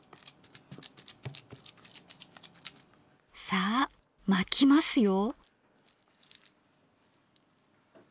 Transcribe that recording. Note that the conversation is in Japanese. さあ巻きますよ。